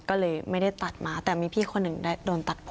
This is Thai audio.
ก็เลยไม่ได้ตัดมาแต่มีพี่คนหนึ่งได้โดนตัดต่อ